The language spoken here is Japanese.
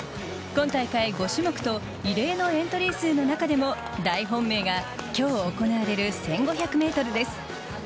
今大会５種目と異例のエントリー数の中でも、大本命が、きょう行われる１５００メートルです。